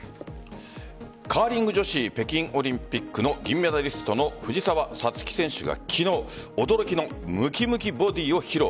カーリング女子北京オリンピックの銀メダリストの藤澤五月選手が昨日驚きのムキムキボディーを披露。